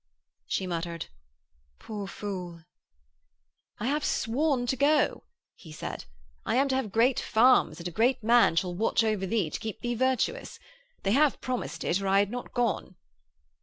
She muttered, 'Poor fool.' 'I have sworn to go,' he said. 'I am to have great farms and a great man shall watch over thee to keep thee virtuous. They have promised it or I had not gone.'